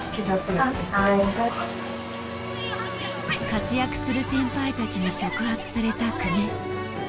活躍する先輩たちに触発された公家。